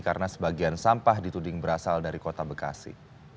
karena sebagian sampah dituding berasal dari kota bekasi